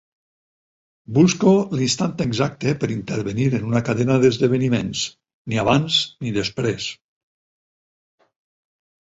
Busco l'instant exacte per intervenir en una cadena d'esdeveniments, ni abans ni després.